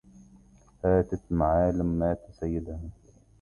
هاتت معالم مات سيدها